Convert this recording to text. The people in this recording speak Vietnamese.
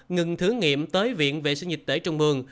ngừng thử nghiệm tới viện vệ sinh dịch tễ trung mương